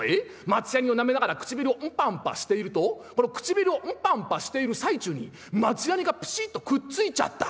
松ヤニをなめながら唇をンパンパしていると唇をンパンパしている最中に松ヤニがプシッとくっついちゃった。